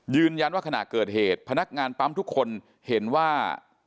ยืนยันว่าขณะเกิดเหตุพนักงานปั๊มทุกคนเห็นว่า